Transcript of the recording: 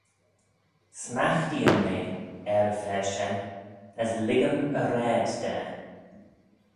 Smaghtee-ym eh er-y-fa shen, as lhiggym y raad da.